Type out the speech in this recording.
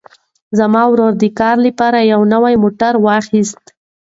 زما ورور د کار لپاره یو نوی موټر واخیست.